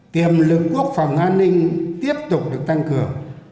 tiềm lực quốc phòng an ninh tiếp tục được tăng cường